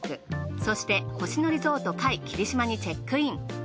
そして星野リゾート界霧島にチェックイン。